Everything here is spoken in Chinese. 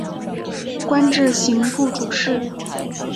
官至刑部主事。